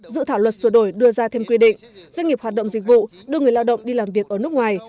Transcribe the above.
dự thảo luật sửa đổi đưa ra thêm quy định doanh nghiệp hoạt động dịch vụ đưa người lao động đi làm việc ở nước ngoài